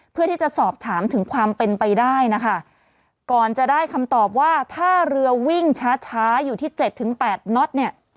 เพื่อที่จะสอบถามถึงความเป็นไปได้นะคะก่อนจะได้คำตอบว่าถ้าเรือวิ่งช้าช้าอยู่ที่เจ็ดถึงแปดน็อตเนี่ย